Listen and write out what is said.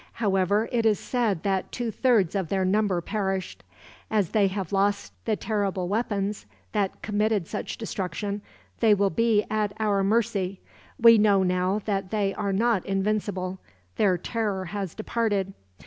However, it is said that two thirds of their number perished. As they have lost the terrible weapons, that committed such destruction, they will be at our mercy. We know now that they are not invincible. Their terror has departed.